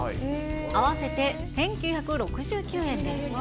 合わせて１９６９円です。